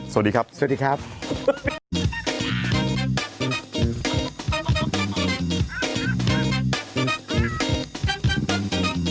สวัสดีครับสวัสดีครับสวัสดี